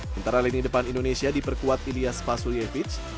sintayong juga diperkuat oleh ilyas fasulyevic